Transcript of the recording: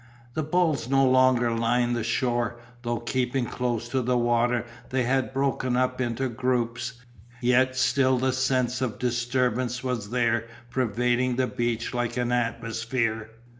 The bulls no longer lined the shore, though keeping close to the water they had broken up into groups, yet still the sense of disturbance was there pervading the beach like an atmosphere.